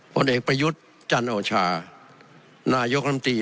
ผลเอกประยุทธ์จันโอชานายกรรมตรี